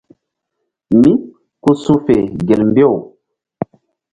Mí ku su̧fe gel mbew.